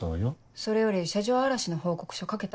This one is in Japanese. それより車上荒らしの報告書書けた？